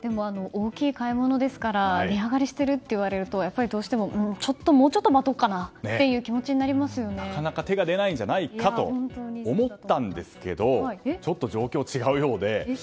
大きい買い物ですから値上がりしていると言われるとどうしてもちょっと待とうかなというなかなか手が出ないんじゃないかと思ったんですけどちょっと状況が違うようで。